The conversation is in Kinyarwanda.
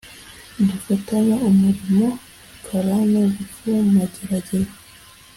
dufatanye umurimo karani ngufu mageragere